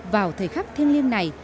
vào thời khắc thiên liêng này